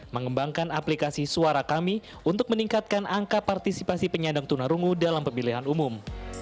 mengembangkan aplikasi suara kami untuk meningkatkan angka partisipasi penyandang tunarungu dalam pemilihan umum